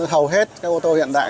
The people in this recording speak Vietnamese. hầu hết các ô tô hiện đại